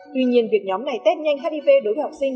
tuy nhiên việc nhóm này test nhanh hiv đối với học sinh